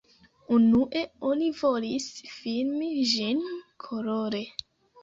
Unue oni volis filmi ĝin kolore.